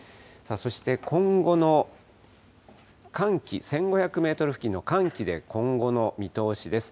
そして今後の寒気、１５００メートル付近の寒気で今後の見通しです。